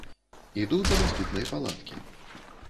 Іду да наступнай палаткі.